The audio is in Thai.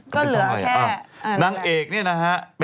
ก็เหลือแค่